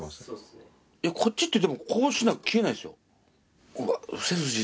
こっちってでもこうしないと消えないですよ。